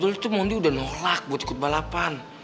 dulu tuh mondi udah nolak buat ikut balapan